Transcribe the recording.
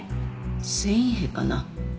繊維片かな？